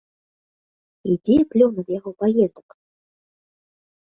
І дзе плён ад яго паездак?